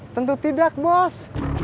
tentu tidak bos